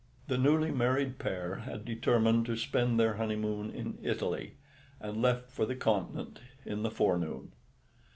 The newly married pair had determined to spend their honeymoon in Italy, and left for the Continent in the forenoon.